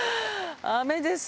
雨です。